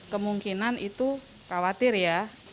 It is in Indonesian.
kemungkinan itu khawatir ya